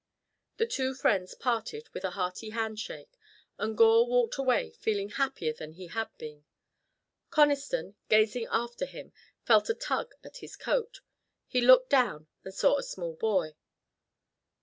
The two friends parted with a hearty handshake, and Gore walked away feeling happier than he had been. Conniston, gazing after him, felt a tug at his coat. He looked down, and saw a small boy.